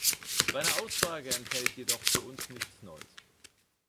Seine Aussage enthält jedoch für uns nichts Neues.